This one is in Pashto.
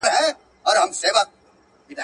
له ډاکټر پرته پخپلسر درمل مه خورئ.